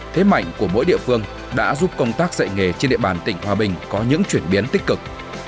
thế mạnh của mỗi địa phương đã giúp công tác dạy nghề trên địa bàn tỉnh hòa bình có những chuyển biến tích cực